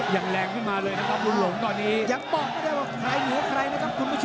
แรงขึ้นมาเลยนะครับบุญหลงตอนนี้ยังบอกไม่ได้ว่าใครหัวใครนะครับคุณผู้ชม